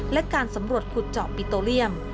และการสำรวจขุดเจาะปิโตเรียม